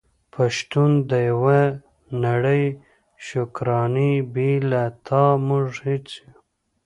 په شتون د يوه نړی شکرانې بې له تا موږ هيڅ يو ❤️